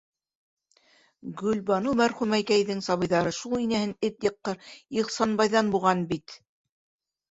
Гөлбаныу мәрхүмәкәйҙең сабыйҙары... шул инәһен эт йыҡҡыр Ихсанбайҙан буған бит!